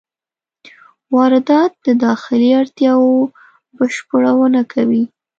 واردات د داخلي اړتیاوو بشپړونه کوي.